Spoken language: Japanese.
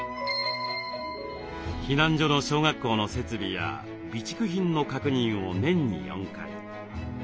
避難所の小学校の設備や備蓄品の確認を年に４回。